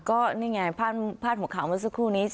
ก็นี่ไงพาดหัวข่าวเมื่อสักครู่นี้